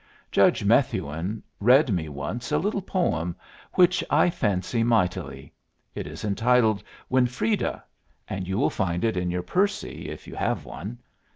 Judge Methuen read me once a little poem which I fancy mightily; it is entitled "Winfreda," and you will find it in your Percy, if you have one.